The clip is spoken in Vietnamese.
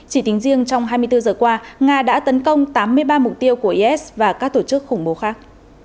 chỉ tính riêng trong hai mươi bốn giờ qua nga đã tấn công tám mươi ba mục tiêu của is và các tổ chức khủng bố khác